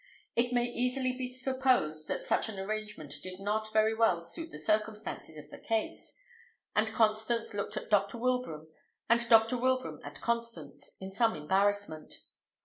It may easily be supposed such an arrangement did not very well suit the circumstances of the case; and Constance looked at Dr. Wilbraham, and Dr. Wilbraham at Constance, in some embarrassment.